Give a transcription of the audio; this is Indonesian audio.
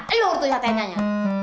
ayo urut urutnya tenyanya